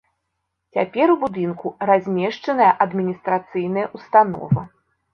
Цяпер у будынку размешчаная адміністрацыйная ўстанова.